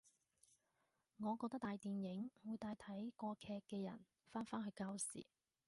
我覺得大電影會帶睇過劇嘅人返返去舊時